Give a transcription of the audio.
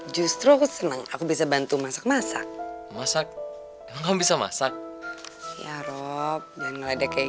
justru aku senang aku bisa bantu masak masak masak bisa masak ya rob dan ngeledek kayak